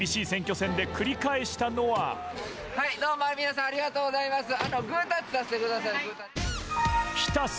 はい、どうも、皆さん、ありがとうございます。